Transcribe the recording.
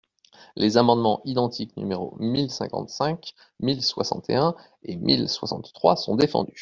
Les amendements identiques numéros mille cinquante-cinq, mille soixante et un et mille soixante-trois sont défendus.